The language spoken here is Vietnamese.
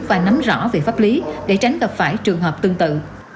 và nắm rõ về pháp lý để tránh gặp phải trường hợp tương tự